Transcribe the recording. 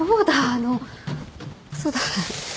あのそうだ。